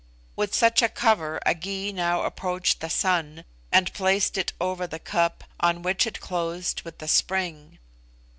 With such a cover a Gy now approached the son, and placed it over the cup, on which it closed with a spring.